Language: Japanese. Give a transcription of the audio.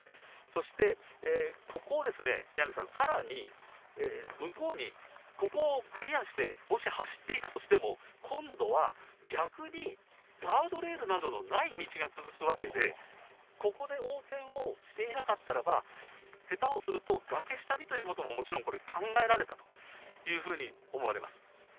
そして、ここを宮根さん、さらに向こうに、ここをクリアして、もし走っていたとしても、今度は逆にガードレールなどのない道が続くわけで、ここで横転をしていなかったらば、下手をすると、崖下にということももちろんこれ、考えられたというふうに思われます。